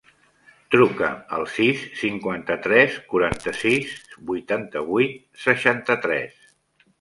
Truca al sis, cinquanta-tres, quaranta-sis, vuitanta-vuit, seixanta-tres.